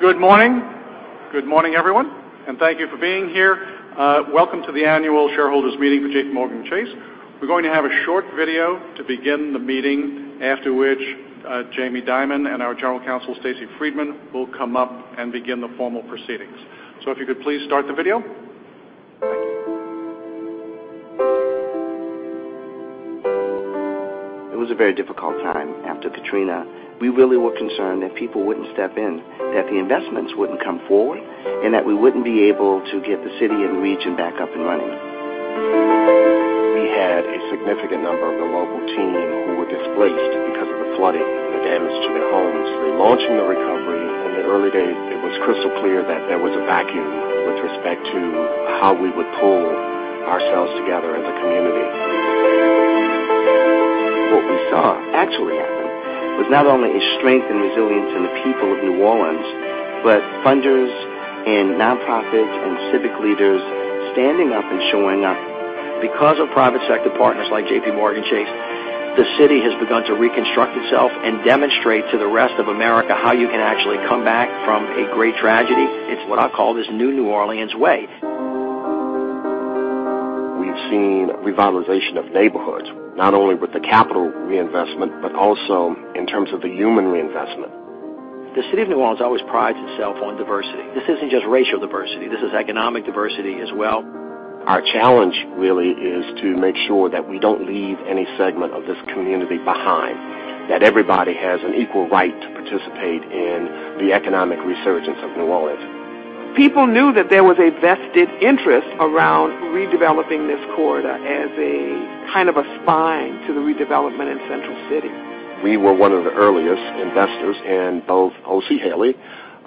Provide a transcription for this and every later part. Good morning. Good morning, everyone, and thank you for being here. Welcome to the annual shareholders meeting for JPMorgan Chase. We're going to have a short video to begin the meeting, after which Jamie Dimon and our General Counsel, Stacey Friedman, will come up and begin the formal proceedings. If you could please start the video. Thank you. It was a very difficult time after Katrina. We really were concerned that people wouldn't step in, that the investments wouldn't come forward, and that we wouldn't be able to get the city and the region back up and running. We had a significant number of the local team who were displaced because of the flooding and the damage to their homes. In launching the recovery, in the early days, it was crystal clear that there was a vacuum with respect to how we would pull ourselves together as a community. What we saw actually happen was not only a strength and resilience in the people of New Orleans, but funders and nonprofits and civic leaders standing up and showing up. Because of private sector partners like JPMorgan Chase, the city has begun to reconstruct itself and demonstrate to the rest of America how you can actually come back from a great tragedy. It's what I call this new New Orleans way. We've seen revitalization of neighborhoods, not only with the capital reinvestment, but also in terms of the human reinvestment. The city of New Orleans always prides itself on diversity. This isn't just racial diversity, this is economic diversity as well. Our challenge really is to make sure that we don't leave any segment of this community behind, that everybody has an equal right to participate in the economic resurgence of New Orleans. People knew that there was a vested interest around redeveloping this corridor as a kind of a spine to the redevelopment in Central City. We were one of the earliest investors in both O.C. Haley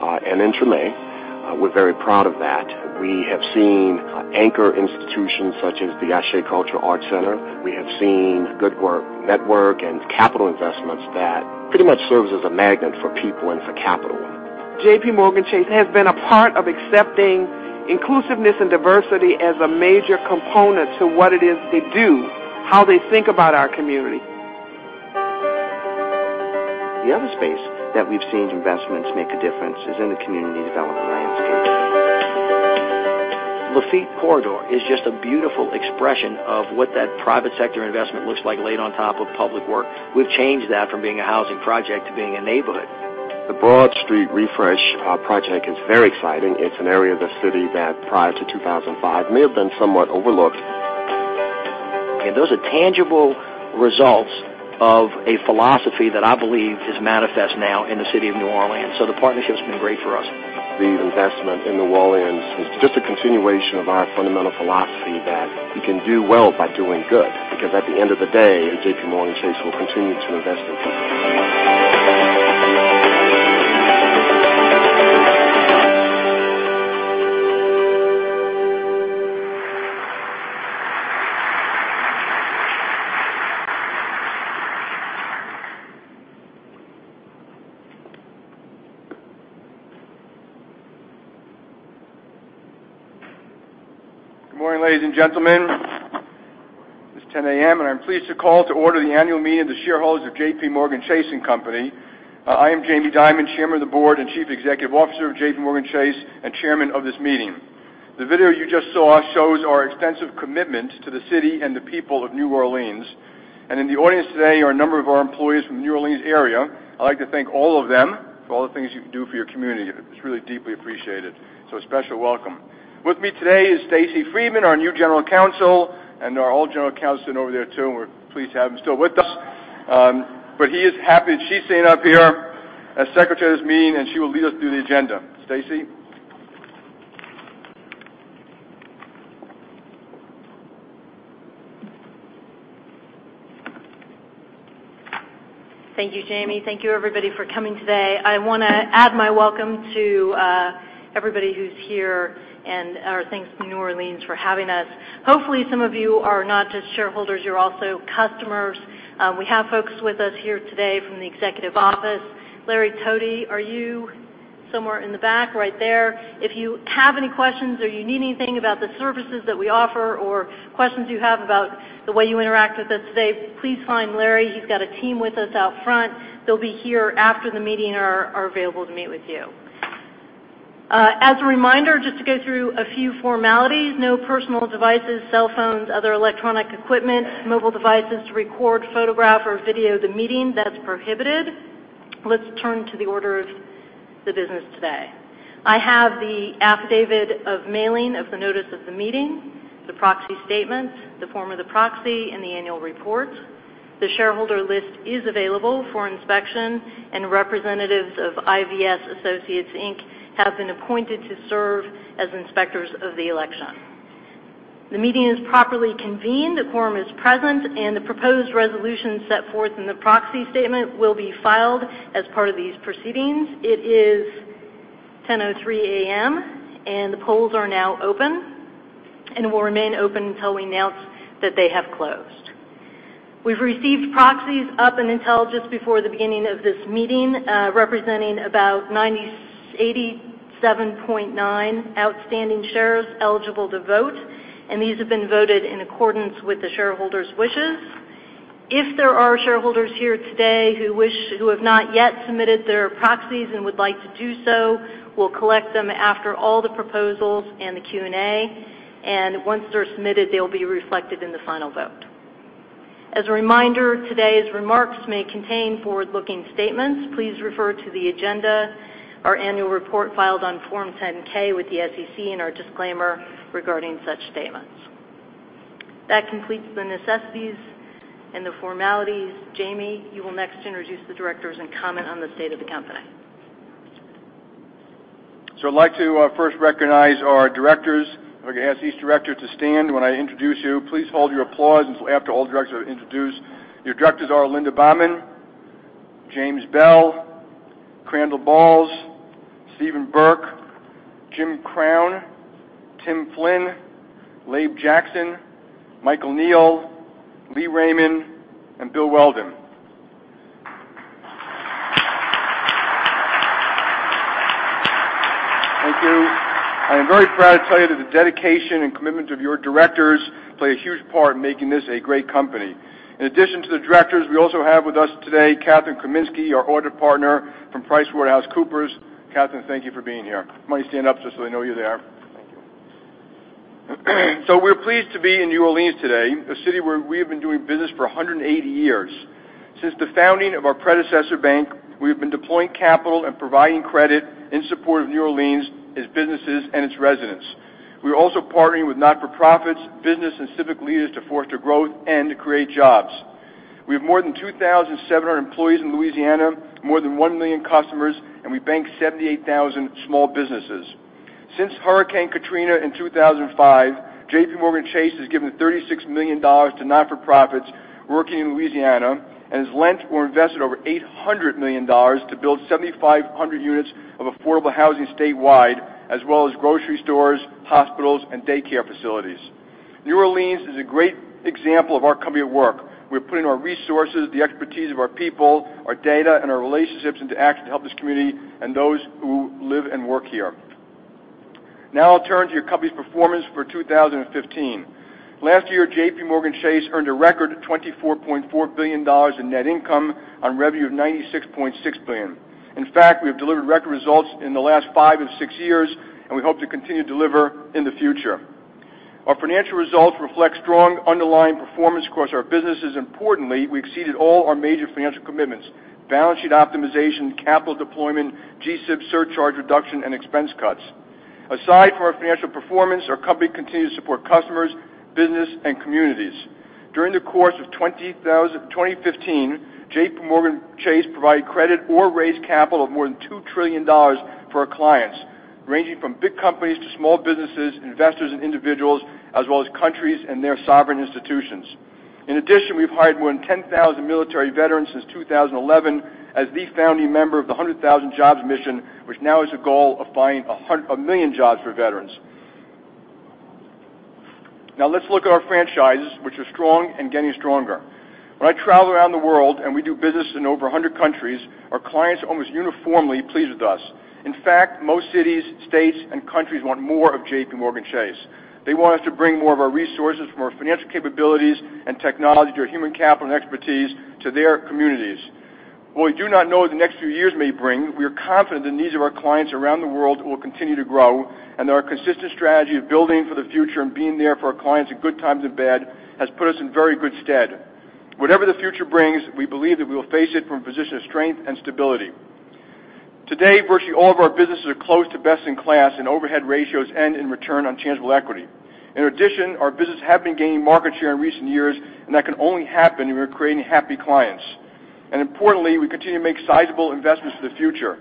and in Treme. We're very proud of that. We have seen anchor institutions such as the Ashé Cultural Arts Center. We have seen Good Work Network and capital investments that pretty much serves as a magnet for people and for capital. JPMorgan Chase has been a part of accepting inclusiveness and diversity as a major component to what it is they do, how they think about our community. The other space that we've seen investments make a difference is in the community development landscape. Lafitte Corridor is just a beautiful expression of what that private sector investment looks like laid on top of public work. We've changed that from being a housing project to being a neighborhood. The Broad Street refresh project is very exciting. It's an area of the city that, prior to 2005, may have been somewhat overlooked. Those are tangible results of a philosophy that I believe is manifest now in the city of New Orleans, so the partnership's been great for us. The investment in New Orleans is just a continuation of our fundamental philosophy that you can do well by doing good, because at the end of the day, JPMorgan Chase will continue to invest in New Orleans. Good morning, ladies and gentlemen. It is 10:00 A.M. I am pleased to call to order the annual meeting of the shareholders of JPMorgan Chase & Co. I am Jamie Dimon, Chairman of the Board and Chief Executive Officer of JPMorgan Chase, and chairman of this meeting. The video you just saw shows our extensive commitment to the city and the people of New Orleans. In the audience today are a number of our employees from the New Orleans area. I would like to thank all of them for all the things you do for your community. It is really deeply appreciated. A special welcome. With me today is Stacey Friedman, our new General Counsel, and our old General Counsel is sitting over there, too, and we are pleased to have him still with us. He is happy that she is sitting up here as secretary of this meeting, and she will lead us through the agenda. Stacey? Thank you, Jamie. Thank you, everybody, for coming today. I want to add my welcome to everybody who is here and our thanks to New Orleans for having us. Hopefully, some of you are not just shareholders, you are also customers. We have folks with us here today from the executive office. Larry Thody, are you somewhere in the back? Right there. If you have any questions or you need anything about the services that we offer or questions you have about the way you interact with us today, please find Larry. He has got a team with us out front. They will be here after the meeting and are available to meet with you. As a reminder, just to go through a few formalities, no personal devices, cell phones, other electronic equipment, mobile devices to record, photograph, or video the meeting. That is prohibited. Let us turn to the order of the business today. I have the affidavit of mailing of the notice of the meeting, the proxy statement, the form of the proxy, and the annual report. The shareholder list is available for inspection. Representatives of IVS Associates, Inc. have been appointed to serve as inspectors of the election. The meeting is properly convened, a quorum is present. The proposed resolution set forth in the proxy statement will be filed as part of these proceedings. It is 10:03 A.M. The polls are now open and will remain open until we announce that they have closed. We have received proxies up until just before the beginning of this meeting, representing about 87.9 outstanding shares eligible to vote. These have been voted in accordance with the shareholders' wishes. If there are shareholders here today who have not yet submitted their proxies and would like to do so, we'll collect them after all the proposals and the Q&A. Once they're submitted, they'll be reflected in the final vote. As a reminder, today's remarks may contain forward-looking statements. Please refer to the agenda, our annual report filed on Form 10-K with the SEC, and our disclaimer regarding such statements. That completes the necessities and the formalities. Jamie, you will next introduce the directors and comment on the state of the company. I'd like to first recognize our directors. If I could ask each director to stand when I introduce you. Please hold your applause until after all the directors are introduced. Your directors are Linda Bammann, James Bell, Crandall Bowles, Stephen Burke, Jim Crown, Tim Flynn, Laban Jackson, Michael Neal, Lee Raymond, and Bill Weldon. Thank you. I am very proud to tell you that the dedication and commitment of your directors play a huge part in making this a great company. In addition to the directors, we also have with us today Kathryn Kaminsky, our audit partner from PricewaterhouseCoopers. Kathryn, thank you for being here. Why don't you stand up just so they know you're there? Thank you. We're pleased to be in New Orleans today, a city where we have been doing business for 180 years. Since the founding of our predecessor bank, we have been deploying capital and providing credit in support of New Orleans, its businesses, and its residents. We are also partnering with not-for-profits, business, and civic leaders to foster growth and to create jobs. We have more than 2,700 employees in Louisiana, more than one million customers, and we bank 78,000 small businesses. Since Hurricane Katrina in 2005, JPMorgan Chase has given $36 million to not-for-profits working in Louisiana and has lent or invested over $800 million to build 7,500 units of affordable housing statewide, as well as grocery stores, hospitals, and daycare facilities. New Orleans is a great example of our company at work. We're putting our resources, the expertise of our people, our data, and our relationships into action to help this community and those who live and work here. Now I'll turn to your company's performance for 2015. Last year, JPMorgan Chase earned a record $24.4 billion in net income on revenue of $96.6 billion. In fact, we have delivered record results in the last five of six years, and we hope to continue to deliver in the future. Our financial results reflect strong underlying performance across our businesses. Importantly, we exceeded all our major financial commitments, balance sheet optimization, capital deployment, GSIB surcharge reduction, and expense cuts. Aside from our financial performance, our company continues to support customers, business, and communities. During the course of 2015, JPMorgan Chase provided credit or raised capital of more than $2 trillion for our clients, ranging from big companies to small businesses, investors and individuals, as well as countries and their sovereign institutions. In addition, we've hired more than 10,000 military veterans since 2011 as the founding member of the 100,000 Jobs Mission, which now has a goal of finding a million jobs for veterans. Let's look at our franchises, which are strong and getting stronger. When I travel around the world and we do business in over 100 countries, our clients are almost uniformly pleased with us. In fact, most cities, states, and countries want more of JPMorgan Chase. They want us to bring more of our resources, more financial capabilities and technology, their human capital and expertise to their communities. While we do not know what the next few years may bring, we are confident the needs of our clients around the world will continue to grow and that our consistent strategy of building for the future and being there for our clients in good times and bad has put us in very good stead. Whatever the future brings, we believe that we will face it from a position of strength and stability. Today, virtually all of our businesses are close to best in class in overhead ratios and in return on tangible equity. In addition, our business have been gaining market share in recent years, and that can only happen when we're creating happy clients. Importantly, we continue to make sizable investments for the future.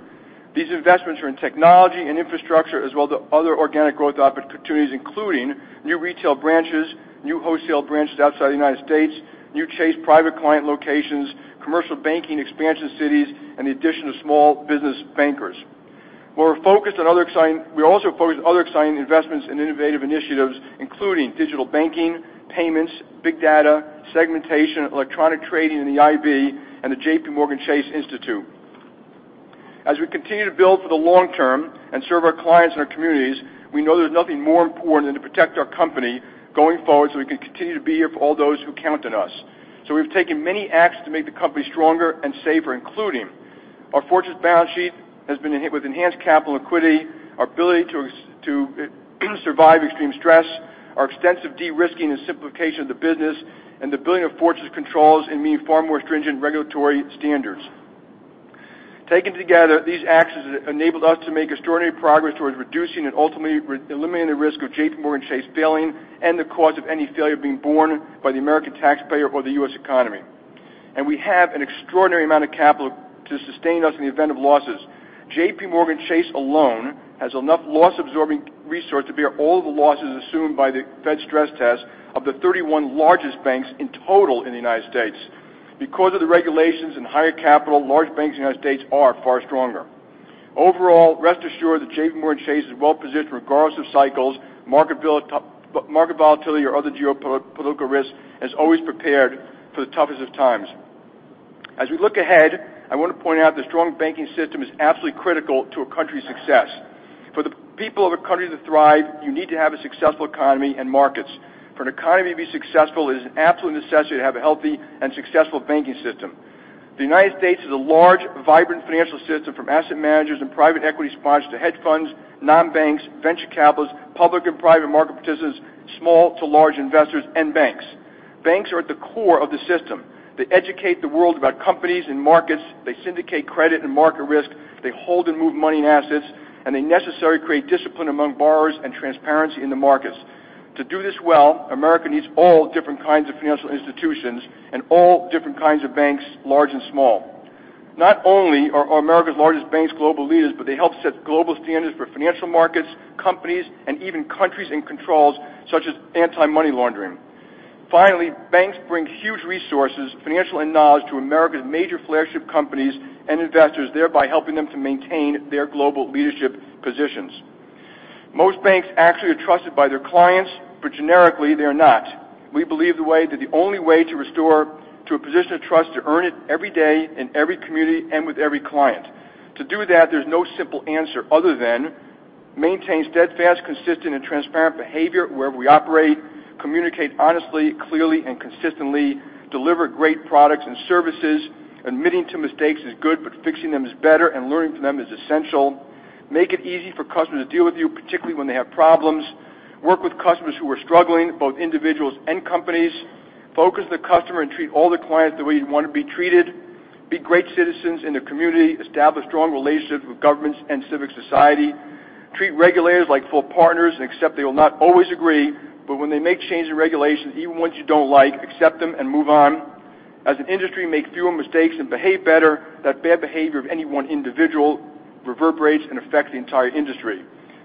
These investments are in technology and infrastructure, as well as other organic growth opportunities, including new retail branches, new wholesale branches outside the United States, new Chase Private Client locations, commercial banking expansion cities, and the addition of small business bankers. We also focus on other exciting investments and innovative initiatives, including digital banking, payments, big data, segmentation, electronic trading in the IB, and the JPMorgan Chase Institute. As we continue to build for the long term and serve our clients and our communities, we know there's nothing more important than to protect our company going forward so we can continue to be here for all those who count on us. We've taken many acts to make the company stronger and safer, including our fortress balance sheet has been with enhanced capital liquidity, our ability to survive extreme stress, our extensive de-risking and simplification of the business, and the building of fortress controls and meeting far more stringent regulatory standards. Taken together, these actions enabled us to make extraordinary progress towards reducing and ultimately eliminating the risk of JPMorgan Chase failing and the cause of any failure being borne by the American taxpayer or the U.S. economy. We have an extraordinary amount of capital to sustain us in the event of losses. JPMorgan Chase alone has enough loss-absorbing resource to bear all the losses assumed by the Fed stress test of the 31 largest banks in total in the United States. Because of the regulations and higher capital, large banks in the United States are far stronger. Overall, rest assured that JPMorgan Chase is well-positioned regardless of cycles, market volatility, or other geopolitical risks and is always prepared for the toughest of times. As we look ahead, I want to point out the strong banking system is absolutely critical to a country's success. For the people of a country to thrive, you need to have a successful economy and markets. For an economy to be successful, it is an absolute necessity to have a healthy and successful banking system. The United States is a large, vibrant financial system, from asset managers and private equity sponsors to hedge funds, non-banks, venture capitalists, public and private market participants, small to large investors, and banks. Banks are at the core of the system. They educate the world about companies and markets. They syndicate credit and market risk. They hold and move money and assets, and they necessarily create discipline among borrowers and transparency in the markets. To do this well, America needs all different kinds of financial institutions and all different kinds of banks, large and small. Not only are America's largest banks global leaders, but they help set global standards for financial markets, companies, and even countries, and controls such as anti-money laundering. Finally, banks bring huge resources, financial and knowledge, to America's major flagship companies and investors, thereby helping them to maintain their global leadership positions. Most banks actually are trusted by their clients, but generically, they are not. We believe the only way to restore to a position of trust, to earn it every day in every community and with every client. To do that, there's no simple answer other than maintain steadfast, consistent, and transparent behavior wherever we operate. Communicate honestly, clearly, and consistently. Deliver great products and services. Admitting to mistakes is good, but fixing them is better, and learning from them is essential. Make it easy for customers to deal with you, particularly when they have problems. Work with customers who are struggling, both individuals and companies. Focus on the customer and treat all the clients the way you'd want to be treated. Be great citizens in the community. Establish strong relationships with governments and civic society. Treat regulators like full partners and accept they will not always agree. When they make changes in regulations, even ones you don't like, accept them and move on. As an industry, make fewer mistakes and behave better. That bad behavior of any one individual reverberates and affects the entire industry.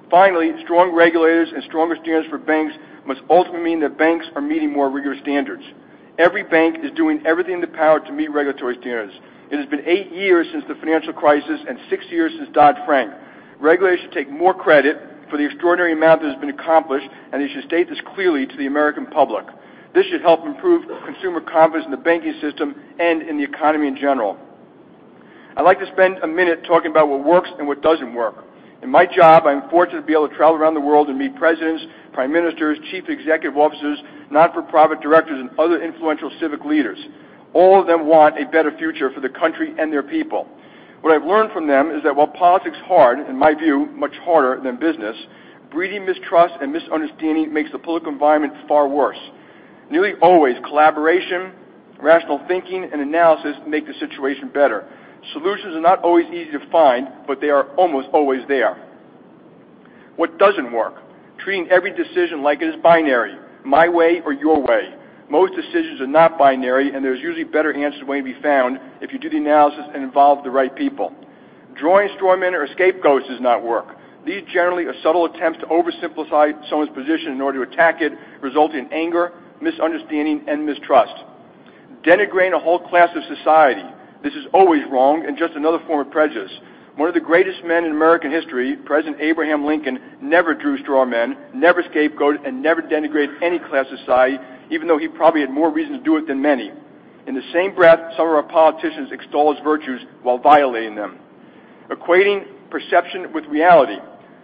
Finally, strong regulators and strong standards for banks must ultimately mean that banks are meeting more rigorous standards. Every bank is doing everything in their power to meet regulatory standards. It has been eight years since the financial crisis and six years since Dodd-Frank. Regulators should take more credit for the extraordinary amount that has been accomplished, and they should state this clearly to the American public. This should help improve consumer confidence in the banking system and in the economy in general. I'd like to spend a minute talking about what works and what doesn't work. In my job, I'm fortunate to be able to travel around the world and meet presidents, prime ministers, chief executive officers, not-for-profit directors, and other influential civic leaders. All of them want a better future for their country and their people. What I've learned from them is that while politics is hard, in my view, much harder than business, breeding mistrust and misunderstanding makes the political environment far worse. Nearly always, collaboration, rational thinking, and analysis make the situation better. Solutions are not always easy to find, but they are almost always there. What doesn't work? Treating every decision like it is binary, my way or your way. Most decisions are not binary, and there's usually better answers waiting to be found if you do the analysis and involve the right people. Drawing straw men or scapegoats does not work. These generally are subtle attempts to oversimplify someone's position in order to attack it, result in anger, misunderstanding, and mistrust. Denigrating a whole class of society. This is always wrong and just another form of prejudice. One of the greatest men in American history, President Abraham Lincoln, never drew straw men, never scapegoated, and never denigrated any class of society, even though he probably had more reason to do it than many. In the same breath, some of our politicians extol his virtues while violating them. Equating perception with reality.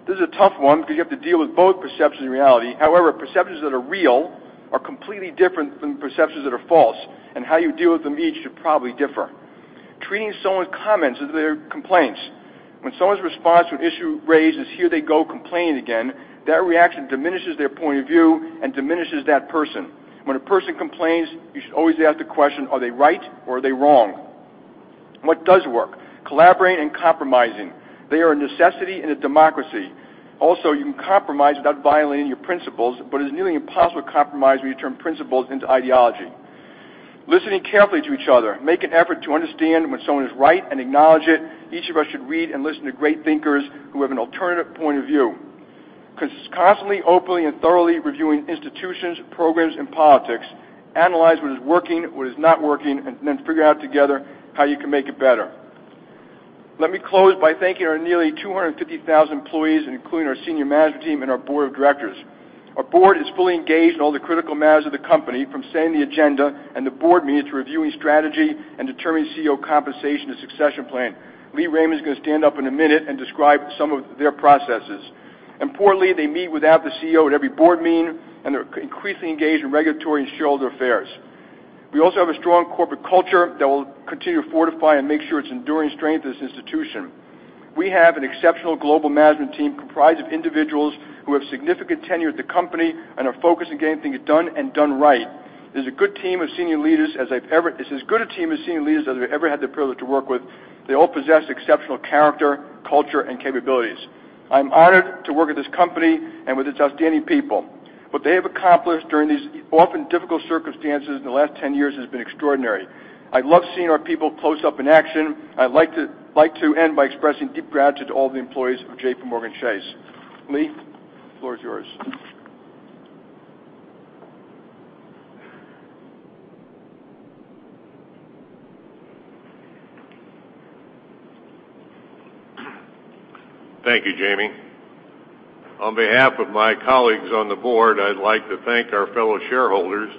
This is a tough one because you have to deal with both perception and reality. Perceptions that are real are completely different from perceptions that are false, and how you deal with them each should probably differ. Treating someone's comments as their complaints. When someone's response to an issue raised is, "Here they go complaining again," that reaction diminishes their point of view and diminishes that person. When a person complains, you should always ask the question, are they right or are they wrong? What does work? Collaborating and compromising. They are a necessity in a democracy. You can compromise without violating your principles, but it is nearly impossible to compromise when you turn principles into ideology. Listening carefully to each other. Make an effort to understand when someone is right and acknowledge it. Each of us should read and listen to great thinkers who have an alternative point of view. Constantly, openly, and thoroughly reviewing institutions, programs, and politics. Analyze what is working, what is not working, and figure out together how you can make it better. Let me close by thanking our nearly 250,000 employees, including our senior management team and our board of directors. Our board is fully engaged in all the critical matters of the company, from setting the agenda and the board meeting to reviewing strategy and determining CEO compensation and succession plan. Lee Raymond is going to stand up in a minute and describe some of their processes. Importantly, they meet without the CEO at every board meeting, and they're increasingly engaged in regulatory and shareholder affairs. We also have a strong corporate culture that we'll continue to fortify and make sure it's an enduring strength of this institution. We have an exceptional global management team comprised of individuals who have significant tenure at the company and are focused on getting things done and done right. It's as good a team of senior leaders as I've ever had the privilege to work with. They all possess exceptional character, culture, and capabilities. I'm honored to work at this company and with its outstanding people. What they have accomplished during these often difficult circumstances in the last 10 years has been extraordinary. I love seeing our people close up in action. I'd like to end by expressing deep gratitude to all the employees of JPMorgan Chase. Lee, the floor is yours. Thank you, Jamie. On behalf of my colleagues on the board, I'd like to thank our fellow shareholders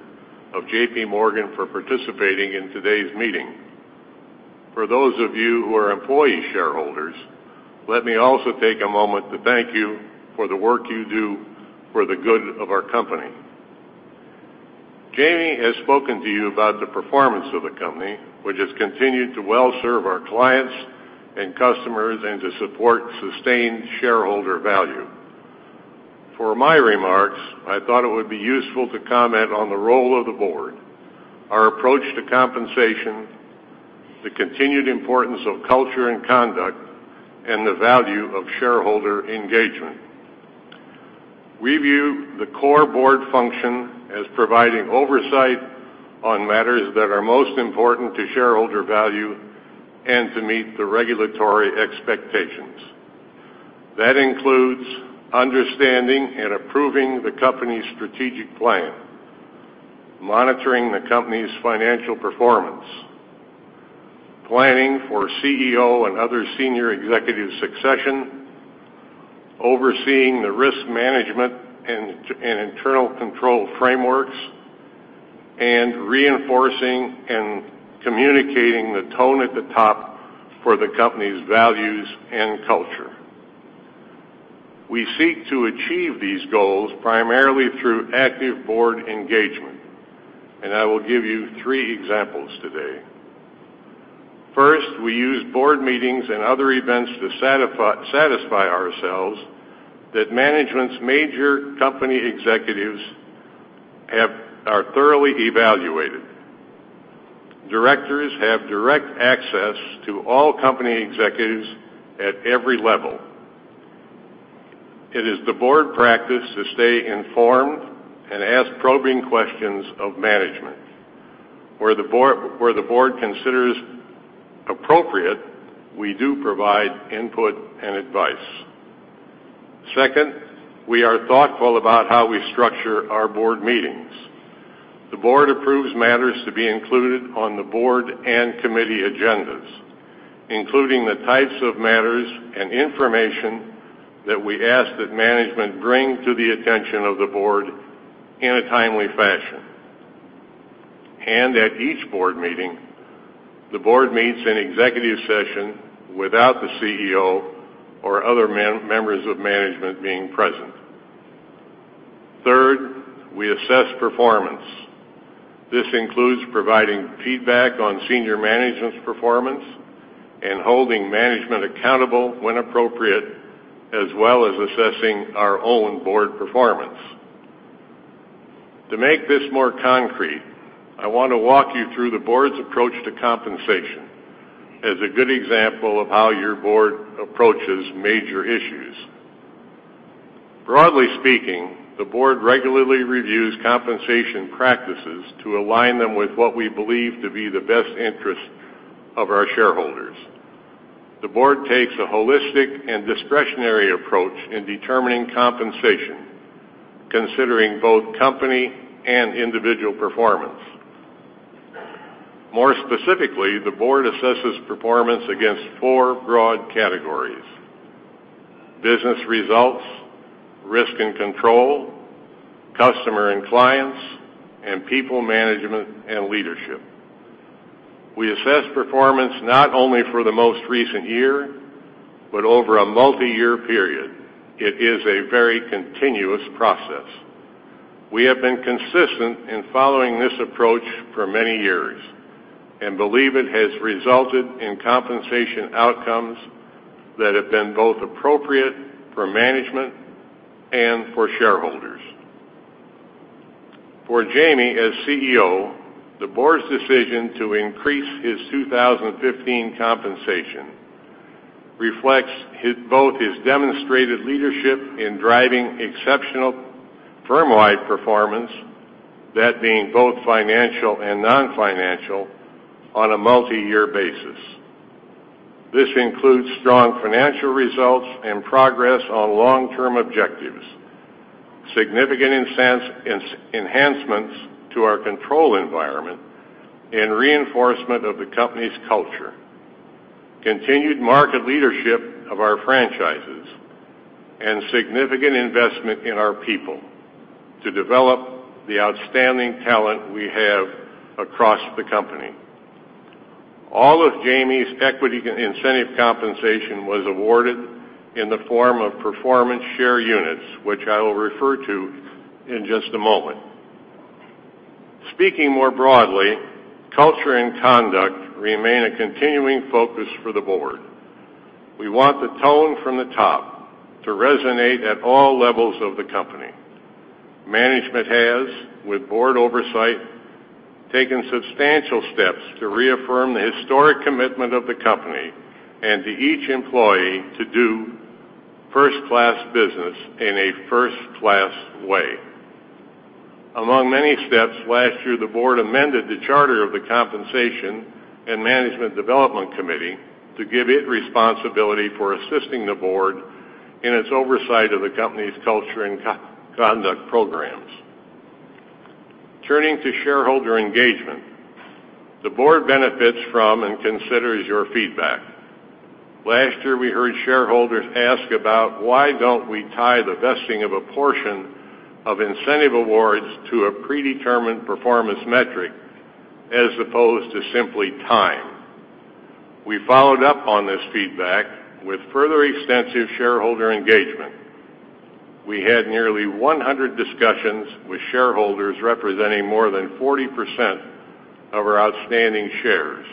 of JPMorgan for participating in today's meeting. For those of you who are employee shareholders, let me also take a moment to thank you for the work you do for the good of our company. Jamie has spoken to you about the performance of the company, which has continued to well serve our clients and customers and to support sustained shareholder value. For my remarks, I thought it would be useful to comment on the role of the board, our approach to compensation, the continued importance of culture and conduct, and the value of shareholder engagement. We view the core board function as providing oversight on matters that are most important to shareholder value and to meet the regulatory expectations. That includes understanding and approving the company's strategic plan, monitoring the company's financial performance, planning for CEO and other senior executive succession, overseeing the risk management and internal control frameworks, and reinforcing and communicating the tone at the top for the company's values and culture. We seek to achieve these goals primarily through active board engagement. I will give you three examples today. First, we use board meetings and other events to satisfy ourselves that management's major company executives are thoroughly evaluated. Directors have direct access to all company executives at every level. It is the board practice to stay informed and ask probing questions of management. Where the board considers appropriate, we do provide input and advice. Second, we are thoughtful about how we structure our board meetings. The board approves matters to be included on the board and committee agendas, including the types of matters and information that we ask that management bring to the attention of the board in a timely fashion. At each board meeting, the board meets in executive session without the CEO or other members of management being present. Third, we assess performance. This includes providing feedback on senior management's performance and holding management accountable when appropriate, as well as assessing our own board performance. To make this more concrete, I want to walk you through the board's approach to compensation as a good example of how your board approaches major issues. Broadly speaking, the board regularly reviews compensation practices to align them with what we believe to be the best interest of our shareholders. The board takes a holistic and discretionary approach in determining compensation, considering both company and individual performance. More specifically, the board assesses performance against four broad categories: business results, risk and control, customer and clients, and people management and leadership. We assess performance not only for the most recent year, but over a multi-year period. It is a very continuous process. We have been consistent in following this approach for many years and believe it has resulted in compensation outcomes that have been both appropriate for management and for shareholders. For Jamie as CEO, the board's decision to increase his 2015 compensation reflects both his demonstrated leadership in driving exceptional firm-wide performance, that being both financial and non-financial, on a multi-year basis. This includes strong financial results and progress on long-term objectives, significant enhancements to our control environment, and reinforcement of the company's culture, continued market leadership of our franchises, and significant investment in our people to develop the outstanding talent we have across the company. All of Jamie's equity incentive compensation was awarded in the form of performance share units, which I will refer to in just a moment. Speaking more broadly, culture and conduct remain a continuing focus for the Board. We want the tone from the top to resonate at all levels of the company. Management has, with Board oversight, taken substantial steps to reaffirm the historic commitment of the company and to each employee to do first-class business in a first-class way. Among many steps, last year, the Board amended the charter of the Compensation and Management Development Committee to give it responsibility for assisting the Board in its oversight of the company's culture and conduct programs. Turning to shareholder engagement, the Board benefits from and considers your feedback. Last year, we heard shareholders ask about why don't we tie the vesting of a portion of incentive awards to a predetermined performance metric as opposed to simply time. We followed up on this feedback with further extensive shareholder engagement. We had nearly 100 discussions with shareholders representing more than 40% of our outstanding shares.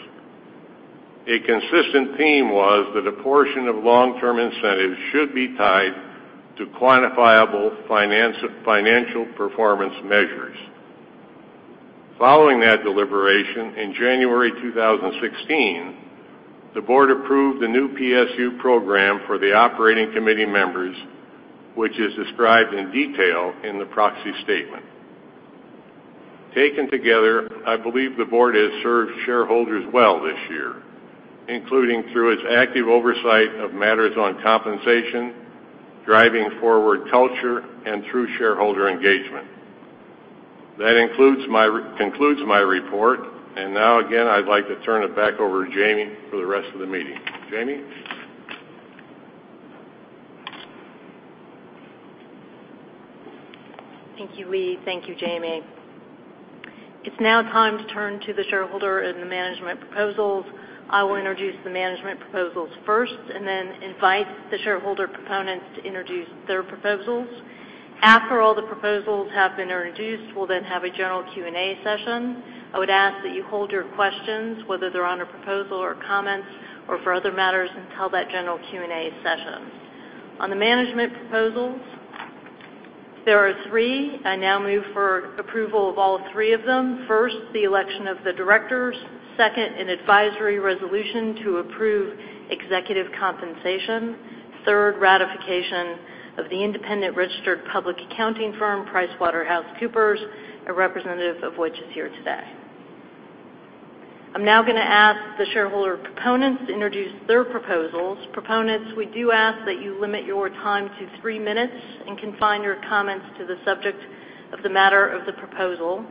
A consistent theme was that a portion of long-term incentives should be tied to quantifiable financial performance measures. Following that deliberation in January 2016, the Board approved the new PSU program for the Operating Committee members, which is described in detail in the proxy statement. Taken together, I believe the Board has served shareholders well this year, including through its active oversight of matters on compensation, driving forward culture, and through shareholder engagement. That concludes my report. Now, again, I'd like to turn it back over to Jamie for the rest of the meeting. Jamie? Thank you, Lee. Thank you, Jamie. It's now time to turn to the shareholder and the management proposals. I will introduce the management proposals first, and then invite the shareholder proponents to introduce their proposals. After all the proposals have been introduced, we'll then have a general Q&A session. I would ask that you hold your questions, whether they're on a proposal or comments or for other matters, until that general Q&A session. On the management proposals, there are three. I now move for approval of all three of them. First, the election of the directors. Second, an advisory resolution to approve executive compensation. Third, ratification of the independent registered public accounting firm, PricewaterhouseCoopers, a representative of which is here today. I'm now going to ask the shareholder proponents to introduce their proposals. Proponents, we do ask that you limit your time to three minutes and confine your comments to the subject of the matter of the proposal.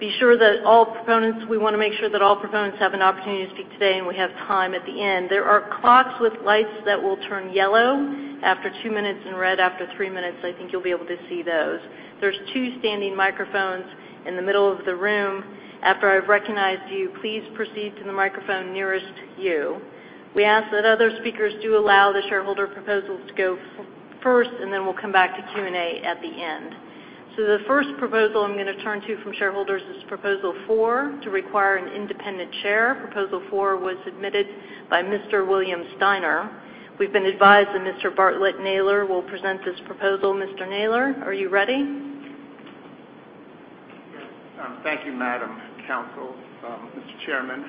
We want to make sure that all proponents have an opportunity to speak today, and we have time at the end. There are clocks with lights that will turn yellow after two minutes and red after three minutes. I think you'll be able to see those. There's two standing microphones in the middle of the room. After I've recognized you, please proceed to the microphone nearest you. We ask that other speakers do allow the shareholder proposals to go first, and then we'll come back to Q&A at the end. The first proposal I'm going to turn to from shareholders is Proposal Four, to require an independent chair. Proposal Four was submitted by Mr. William Steiner. We've been advised that Mr. Bartlett Naylor will present this proposal. Mr. Naylor, are you ready? Yes. Thank you, Madam Counsel. Mr. Chairman,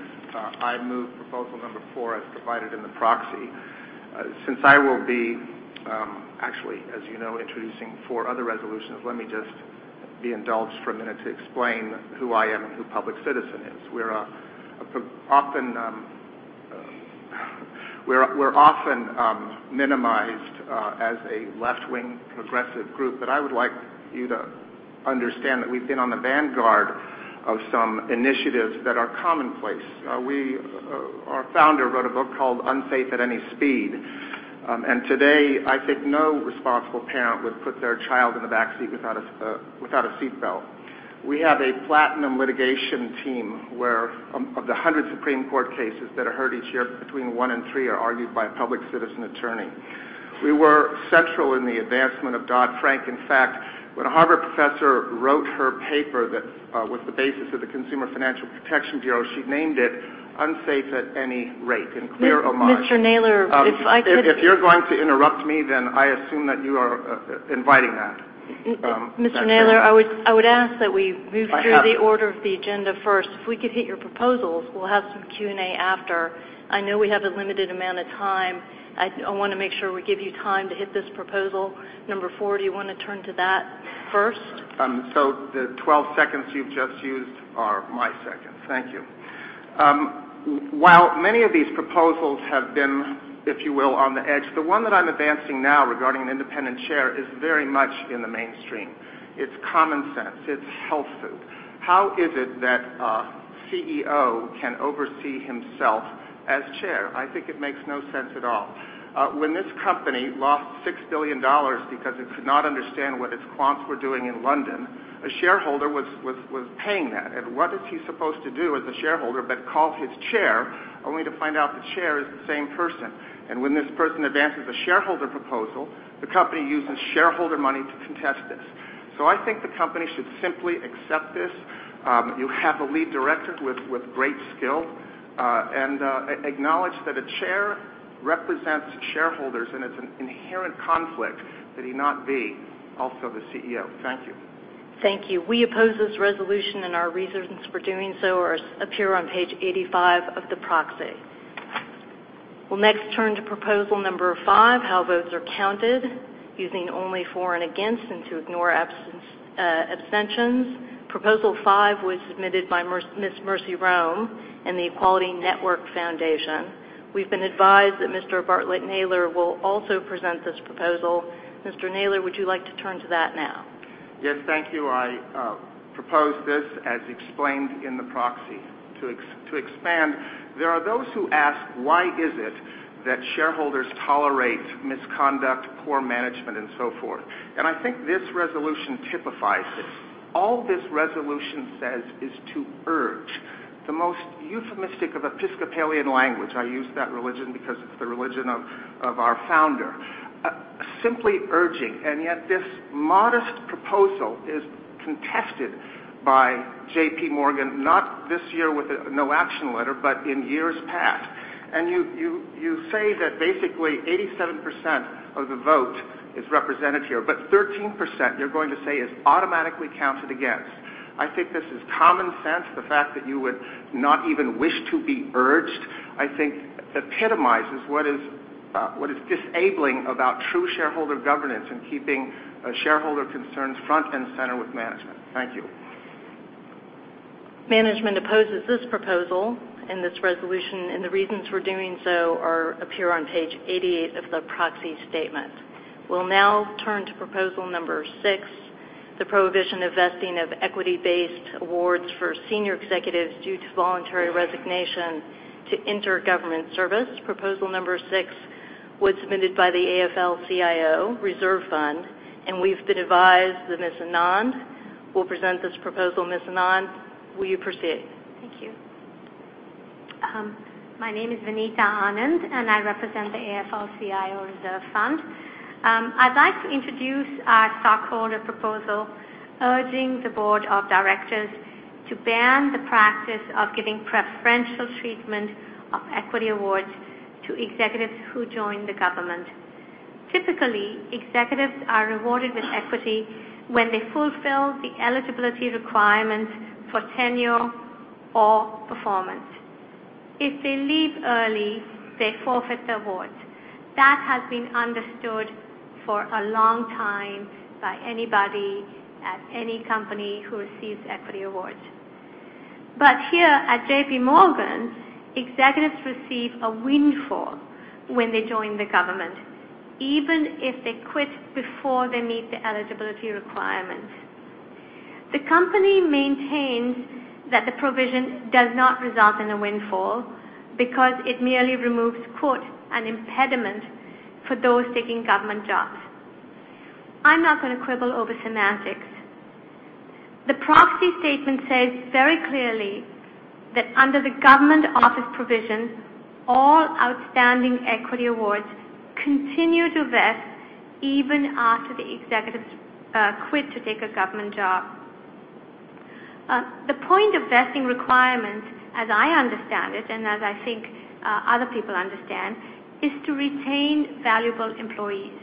I move Proposal Number Four as provided in the proxy. Since I will be, actually, as you know, introducing four other resolutions, let me just be indulged for a minute to explain who I am and who Public Citizen is. We're often minimized as a left-wing progressive group, but I would like you to understand that we've been on the vanguard of some initiatives that are commonplace. Our founder wrote a book called "Unsafe at Any Speed", and today, I think no responsible parent would put their child in the back seat without a seatbelt. We have a platinum litigation team where, of the 100 Supreme Court cases that are heard each year, between one and three are argued by a Public Citizen attorney. We were central in the advancement of Dodd-Frank. In fact, when a Harvard professor wrote her paper that was the basis of the Consumer Financial Protection Bureau, she named it Unsafe at Any Rate, in clear homage. Mr. Naylor, if I could. If you're going to interrupt me, I assume that you are inviting that. Mr. Naylor, I would ask that we move through the order of the agenda first. If we could hit your proposals, we'll have some Q&A after. I know we have a limited amount of time. I want to make sure we give you time to hit this Proposal Number Four. Do you want to turn to that first? The 12 seconds you've just used are my seconds. Thank you. While many of these proposals have been, if you will, on the edge, the one that I'm advancing now regarding an independent chair is very much in the mainstream. It's common sense. It's health food. How is it that a CEO can oversee himself as chair? I think it makes no sense at all. When this company lost $6 billion because it could not understand what its quants were doing in London, a shareholder was paying that. What is he supposed to do as a shareholder but call his chair, only to find out the chair is the same person. When this person advances a shareholder proposal, the company uses shareholder money to contest this. I think the company should simply accept this. You have a lead director with great skill, acknowledge that a chair represents shareholders, it's an inherent conflict that he not be also the CEO. Thank you. Thank you. We oppose this resolution, and our reasons for doing so appear on page 85 of the proxy. We'll next turn to Proposal Number Five, how votes are counted using only for and against and to ignore abstentions. Proposal Five was submitted by Ms. Mercy Rome and the Equality Network Foundation. We've been advised that Mr. Bartlett Naylor will also present this proposal. Mr. Naylor, would you like to turn to that now? Yes. Thank you. I propose this as explained in the proxy. To expand, there are those who ask why is it that shareholders tolerate misconduct, poor management, and so forth, I think this resolution typifies this. All this resolution says is to urge the most euphemistic of Episcopalian language, I use that religion because it's the religion of our founder. Simply urging, yet this modest proposal is contested by JPMorgan, not this year with a no action letter, but in years past. You say that basically 87% of the vote is represented here, but 13% you're going to say is automatically counted against. I think this is common sense. The fact that you would not even wish to be urged, I think epitomizes what is disabling about true shareholder governance and keeping shareholder concerns front and center with management. Thank you. Management opposes this proposal and this resolution, the reasons for doing so appear on page 88 of the proxy statement. We'll now turn to proposal number six, the prohibition of vesting of equity-based awards for senior executives due to voluntary resignation to enter government service. Proposal number six was submitted by the AFL-CIO Reserve Fund, we've been advised that Ms. Anand will present this proposal. Ms. Anand, will you proceed? Thank you. My name is Vineeta Anand, I represent the AFL-CIO Reserve Fund. I'd like to introduce our stockholder proposal urging the board of directors to ban the practice of giving preferential treatment of equity awards to executives who join the government. Typically, executives are rewarded with equity when they fulfill the eligibility requirements for tenure or performance. If they leave early, they forfeit the award. That has been understood for a long time by anybody at any company who receives equity awards. Here at JPMorgan, executives receive a windfall when they join the government, even if they quit before they meet the eligibility requirement. The company maintains that the provision does not result in a windfall because it merely removes "an impediment for those taking government jobs." I'm not going to quibble over semantics. The proxy statement says very clearly that under the government office provision, all outstanding equity awards continue to vest even after the executives quit to take a government job. The point of vesting requirements, as I understand it, and as I think other people understand, is to retain valuable employees.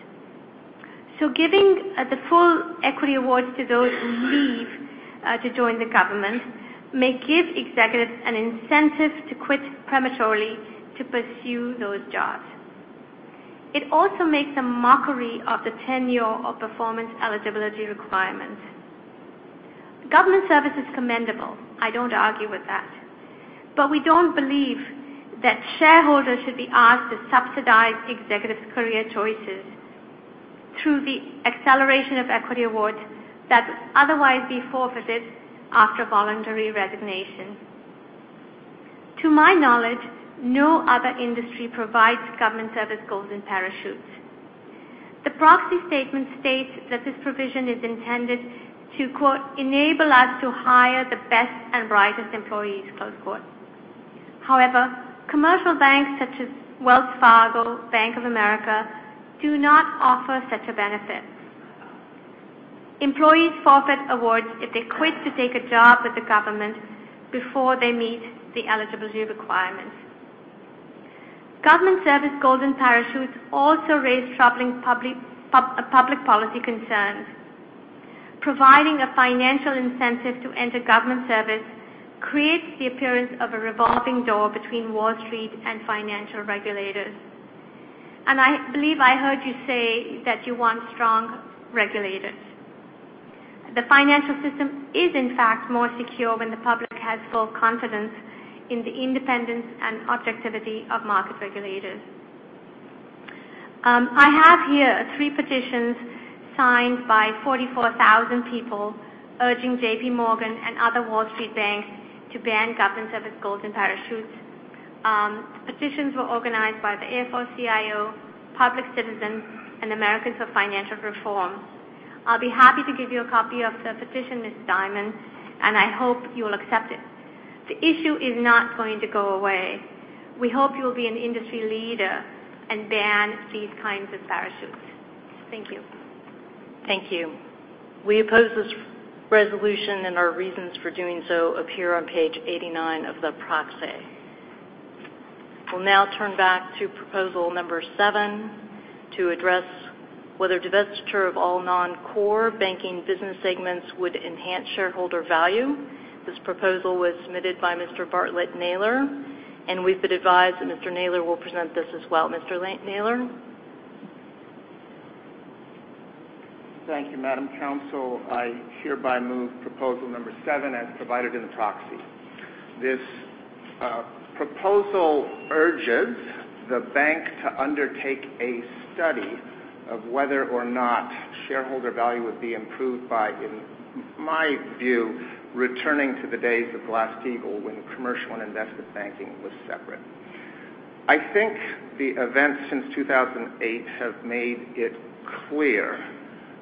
Giving the full equity awards to those who leave to join the government may give executives an incentive to quit prematurely to pursue those jobs. It also makes a mockery of the tenure of performance eligibility requirements. Government service is commendable. I don't argue with that. We don't believe that shareholders should be asked to subsidize executives' career choices through the acceleration of equity awards that would otherwise be forfeited after voluntary resignation. To my knowledge, no other industry provides government service golden parachutes. The proxy statement states that this provision is intended to "enable us to hire the best and brightest employees." However, commercial banks such as Wells Fargo, Bank of America, do not offer such a benefit. Employees forfeit awards if they quit to take a job with the government before they meet the eligibility requirements. Government service golden parachutes also raise troubling public policy concerns. Providing a financial incentive to enter government service creates the appearance of a revolving door between Wall Street and financial regulators. I believe I heard you say that you want strong regulators. The financial system is, in fact, more secure when the public has full confidence in the independence and objectivity of market regulators. I have here three petitions signed by 44,000 people urging JPMorgan and other Wall Street banks to ban government service golden parachutes. Petitions were organized by the AFL-CIO, Public Citizen, and Americans for Financial Reform. I'll be happy to give you a copy of the petition, Mr. Dimon, I hope you will accept it. The issue is not going to go away. We hope you will be an industry leader and ban these kinds of parachutes. Thank you. Thank you. We oppose this resolution, our reasons for doing so appear on page 89 of the proxy. We'll now turn back to proposal number seven to address whether divestiture of all non-core banking business segments would enhance shareholder value. This proposal was submitted by Mr. Bartlett Naylor, we've been advised that Mr. Naylor will present this as well. Mr. Naylor? Thank you, Madam Counsel. I hereby move proposal number 7 as provided in the proxy. This proposal urges the bank to undertake a study of whether or not shareholder value would be improved by, in my view, returning to the days of Glass-Steagall, when commercial and investment banking was separate. I think the events since 2008 have made it clear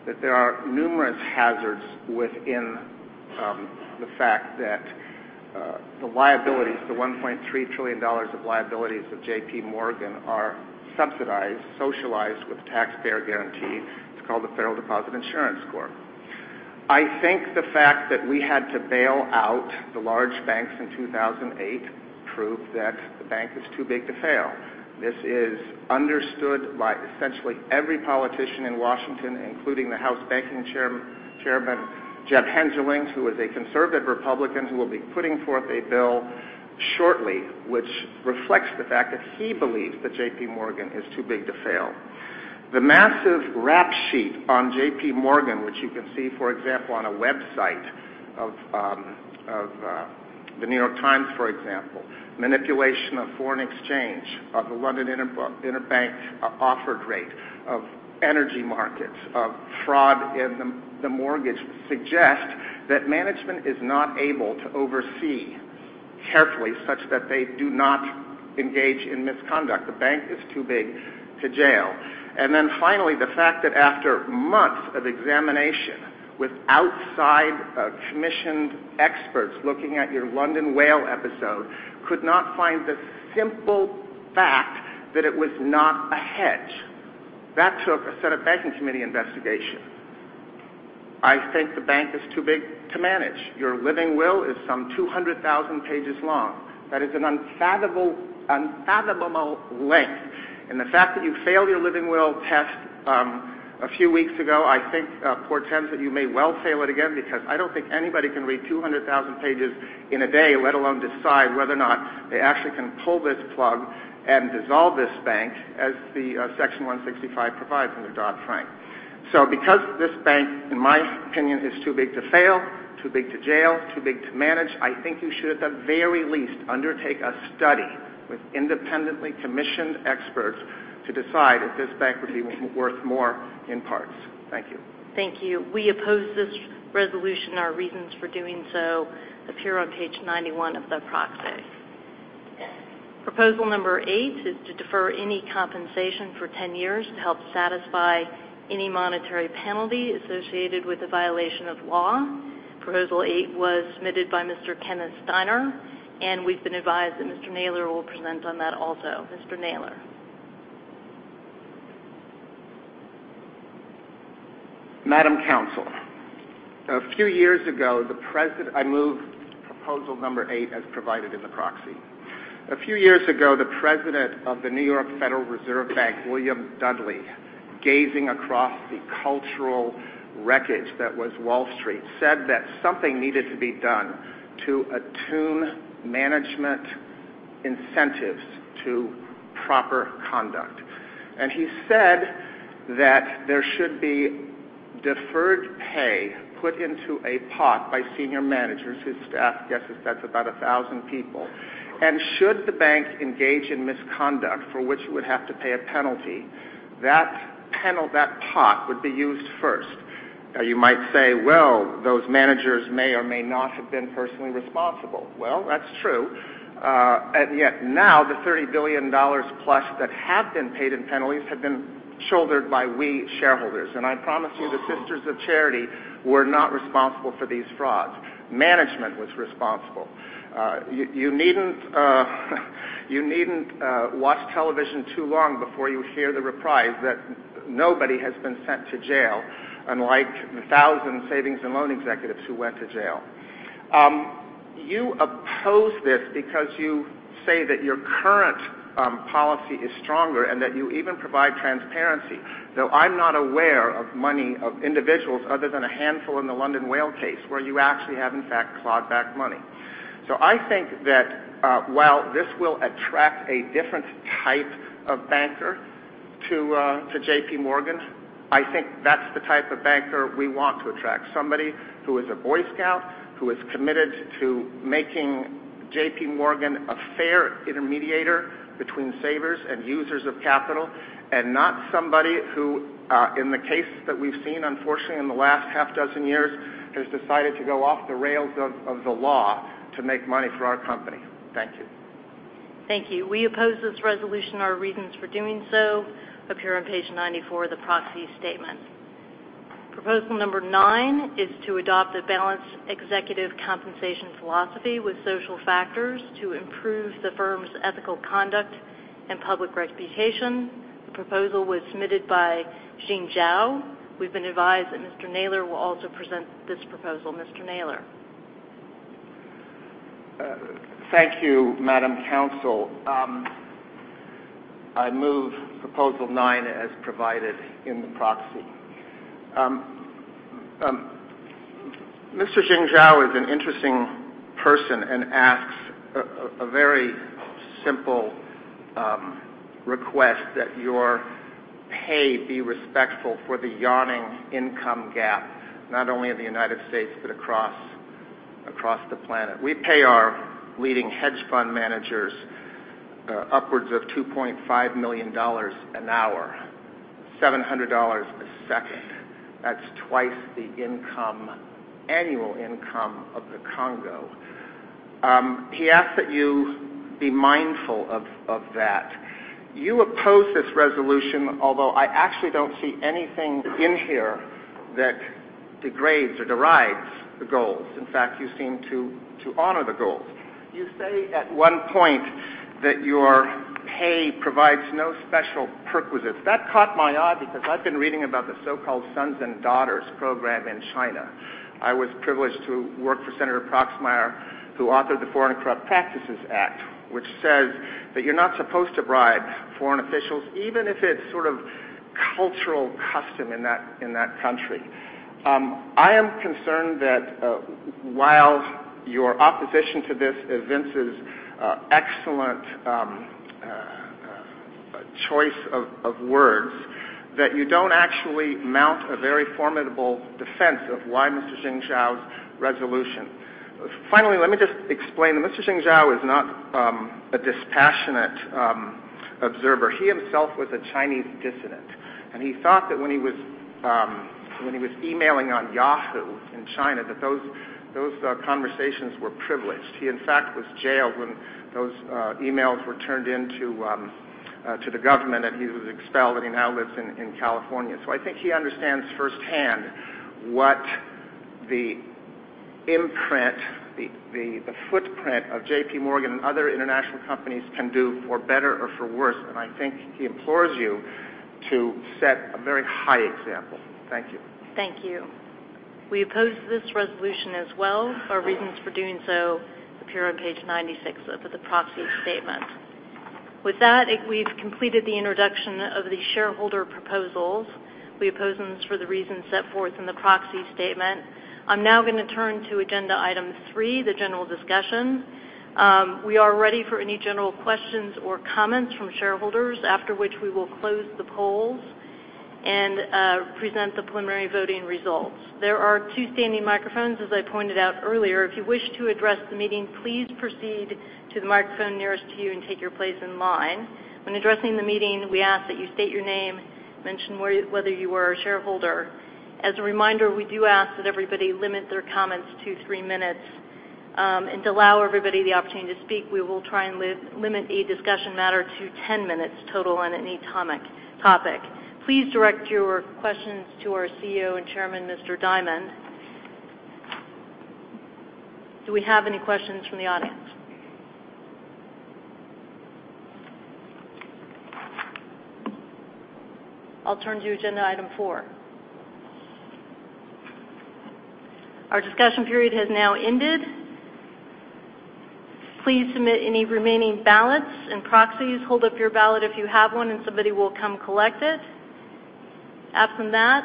that there are numerous hazards within the fact that the $1.3 trillion of liabilities of JPMorgan are subsidized, socialized with taxpayer guarantee. It's called the Federal Deposit Insurance Corp. I think the fact that we had to bail out the large banks in 2008 proved that the bank is too big to fail. This is understood by essentially every politician in Washington, including the House Banking Chairman, Jeb Hensarling, who is a conservative Republican, who will be putting forth a bill shortly, which reflects the fact that he believes that JPMorgan is too big to fail. The massive rap sheet on JPMorgan, which you can see, for example, on a website of The New York Times, for example, manipulation of foreign exchange of the London Interbank Offered Rate, of energy markets, of fraud in the mortgage, suggests that management is not able to oversee carefully such that they do not engage in misconduct. The bank is too big to jail. Finally, the fact that after months of examination with outside commissioned experts looking at your London Whale episode, could not find the simple fact that it was not a hedge. That took a Senate Banking Committee investigation. I think the bank is too big to manage. Your living will is some 200,000 pages long. That is an unfathomable length. The fact that you failed your living will test a few weeks ago, I think portends that you may well fail it again, because I don't think anybody can read 200,000 pages in a day, let alone decide whether or not they actually can pull this plug and dissolve this bank as Section 165 provides in the Dodd-Frank. Because this bank, in my opinion, is too big to fail, too big to jail, too big to manage, I think you should, at the very least, undertake a study with independently commissioned experts to decide if this bank would be worth more in parts. Thank you. Thank you. We oppose this resolution. Our reasons for doing so appear on page 91 of the proxy. Proposal number 8 is to defer any compensation for 10 years to help satisfy any monetary penalty associated with the violation of law. Proposal 8 was submitted by Mr. Kenneth Steiner, and we've been advised that Mr. Naylor will present on that also. Mr. Naylor. Madam Counsel, I move proposal number eight as provided in the proxy. A few years ago, the President of the Federal Reserve Bank of New York, William Dudley, gazing across the cultural wreckage that was Wall Street, said that something needed to be done to attune management incentives to proper conduct. He said that there should be deferred pay put into a pot by senior managers, his staff guesses that's about 1,000 people. Should the bank engage in misconduct for which it would have to pay a penalty, that pot would be used first. You might say, "Well, those managers may or may not have been personally responsible." That's true. Yet now the $30 billion-plus that have been paid in penalties have been shouldered by we shareholders. I promise you, the Sisters of Charity were not responsible for these frauds. Management was responsible. You needn't watch television too long before you hear the reprise that nobody has been sent to jail, unlike the 1,000 savings and loan executives who went to jail. You oppose this because you say that your current policy is stronger and that you even provide transparency, though I'm not aware of individuals, other than a handful in the London Whale case, where you actually have in fact clawed back money. I think that while this will attract a different type of banker to JPMorgan, I think that's the type of banker we want to attract, somebody who is a Boy Scout, who is committed to making JPMorgan a fair intermediator between savers and users of capital, and not somebody who, in the cases that we've seen, unfortunately, in the last half-dozen years, has decided to go off the rails of the law to make money for our company. Thank you. Thank you. We oppose this resolution. Our reasons for doing so appear on page 94 of the proxy statement. Proposal number nine is to adopt a balanced executive compensation philosophy with social factors to improve the firm's ethical conduct and public reputation. The proposal was submitted by Jing Zhao. We've been advised that Mr. Naylor will also present this proposal. Mr. Naylor. Thank you, Madam Counsel. I move proposal 9 as provided in the proxy. Mr. Jing Zhao is an interesting person and asks a very simple request that your pay be respectful for the yawning income gap, not only in the U.S., but across the planet. We pay our leading hedge fund managers upwards of $2.5 million an hour, $700 a second. That's twice the annual income of the Congo. He asks that you be mindful of that. You oppose this resolution, although I actually don't see anything in here that degrades or derides the goals. In fact, you seem to honor the goals. You say at one point that your pay provides no special perquisites. That caught my eye because I've been reading about the so-called Sons and Daughters Program in China. I was privileged to work for Senator Proxmire, who authored the Foreign Corrupt Practices Act, which says that you're not supposed to bribe foreign officials, even if it's sort of cultural custom in that country. I am concerned that, while your opposition to this evinces excellent choice of words, that you don't actually mount a very formidable defense of why Mr. Jing Zhao's resolution. Finally, let me just explain that Mr. Jing Zhao is not a dispassionate observer. He himself was a Chinese dissident, and he thought that when he was emailing on Yahoo in China, that those conversations were privileged. He, in fact, was jailed when those emails were turned in to the government, and he was expelled, and he now lives in California. I think he understands firsthand what the imprint, the footprint of JPMorgan and other international companies can do for better or for worse, and I think he implores you to set a very high example. Thank you. Thank you. We oppose this resolution as well. Our reasons for doing so appear on page 96 of the proxy statement. With that, we've completed the introduction of the shareholder proposals. We oppose them for the reasons set forth in the proxy statement. I'm now going to turn to agenda item three, the general discussion. We are ready for any general questions or comments from shareholders, after which we will close the polls and present the preliminary voting results. There are two standing microphones, as I pointed out earlier. If you wish to address the meeting, please proceed to the microphone nearest to you and take your place in line. When addressing the meeting, we ask that you state your name, mention whether you are a shareholder. As a reminder, we do ask that everybody limit their comments to three minutes. To allow everybody the opportunity to speak, we will try and limit a discussion matter to 10 minutes total on any topic. Please direct your questions to our CEO and chairman, Mr. Dimon. Do we have any questions from the audience? I'll turn to agenda item four. Our discussion period has now ended. Please submit any remaining ballots and proxies. Hold up your ballot if you have one, and somebody will come collect it. Absent that,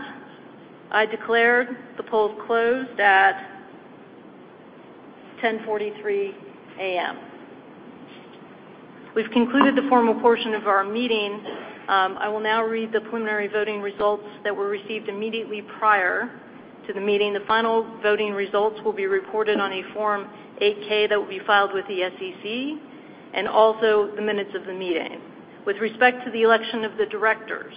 I declare the polls closed at 10:43 A.M. We've concluded the formal portion of our meeting. I will now read the preliminary voting results that were received immediately prior to the meeting. The final voting results will be reported on a Form 8-K that will be filed with the SEC, and also the minutes of the meeting. With respect to the election of the directors,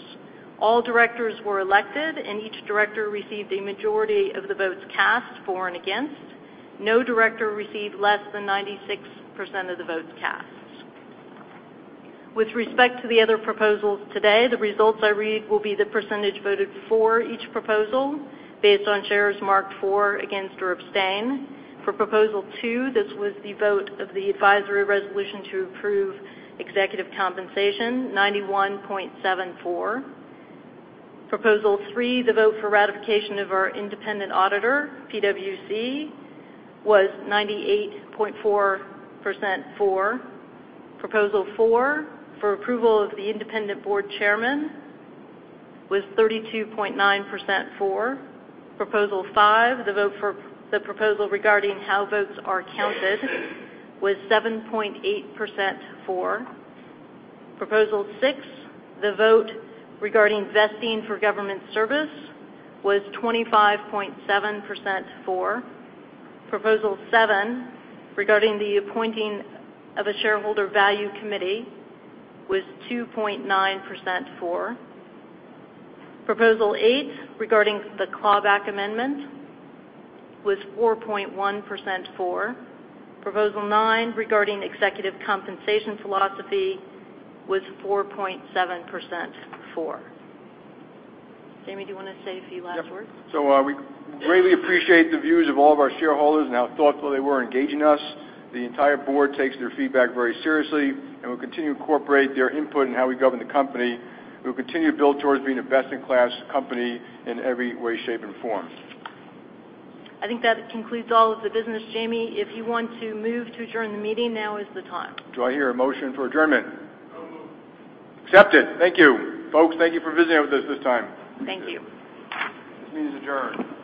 all directors were elected, and each director received a majority of the votes cast for and against. No director received less than 96% of the votes cast. With respect to the other proposals today, the results I read will be the percentage voted for each proposal based on shares marked for, against, or abstain. For proposal two, this was the vote of the advisory resolution to approve executive compensation, 91.74%. Proposal three, the vote for ratification of our independent auditor, PwC, was 98.4% for. Proposal four, for approval of the independent board chairman, was 32.9% for. Proposal five, the vote for the proposal regarding how votes are counted, was 7.8% for. Proposal six, the vote regarding vesting for government service, was 25.7% for. Proposal seven, regarding the appointing of a shareholder value committee, was 2.9% for. Proposal eight, regarding the clawback amendment, was 4.1% for. Proposal nine, regarding executive compensation philosophy, was 4.7% for. Jamie, do you want to say a few last words? Yeah. We greatly appreciate the views of all of our shareholders and how thoughtful they were in engaging us. The entire board takes their feedback very seriously and will continue to incorporate their input in how we govern the company. We will continue to build towards being a best-in-class company in every way, shape, and form. I think that concludes all of the business, Jamie. If you want to move to adjourn the meeting, now is the time. Do I hear a motion for adjournment? So moved. Accepted. Thank you. Folks, thank you for visiting with us this time. Thank you. This meeting's adjourned.